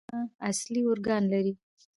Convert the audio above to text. ملګري ملتونه اصلي ارکان لري.